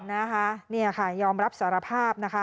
นะคะเนี่ยค่ะยอมรับสารภาพนะคะ